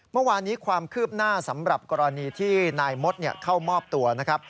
เมื่อวานนี้ความคืบหน้าสำหรับกรณีที่นายมดเข้ามอบตัวนะครับ